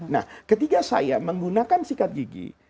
nah ketika saya menggunakan sikat gigi